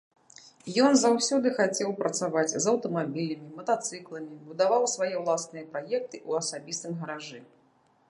Ён заўсёды хацеў працаваць з аўтамабілямі, матацыкламі, будаваў свае ўласныя праекты ў асабістым гаражы.